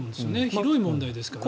広い問題ですから。